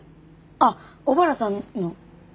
あっ小原さんの。